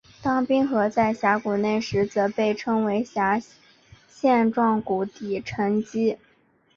当冰河在峡谷内时则被称为线状谷底沉积。